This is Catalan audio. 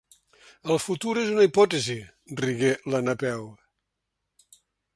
El futur és una hipòtesi —rigué la Napeu—.